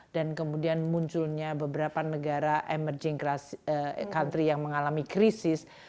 dan kemudian munculnya beberapa negara emerging country yang mengalami krisis